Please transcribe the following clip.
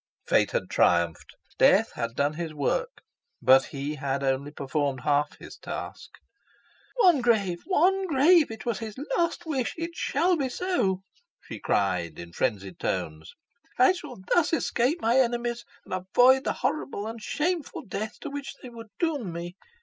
Fate had triumphed. Death had done his work; but he had only performed half his task. "One grave one grave it was his last wish it shall be so!" she cried, in frenzied tones, "I shall thus escape my enemies, and avoid the horrible and shameful death to which they would doom me."